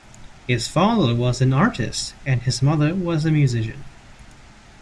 His father was an artist and his mother was a musician.